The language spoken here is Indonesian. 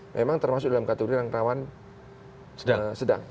memang termasuk dalam kategori yang rawan sedang